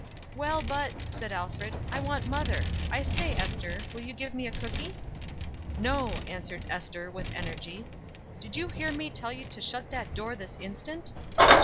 "Well, but," said Alfred, "I want mother. I say, Ester, will you give me a cookie?" "No!" answered Ester, with energy. "Did you hear me tell you to shut that door this instant?"